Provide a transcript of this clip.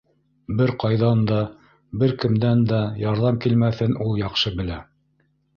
Бер ҡайҙан да, бер кемдән дә ярҙам килмәҫен ул яҡшы белә.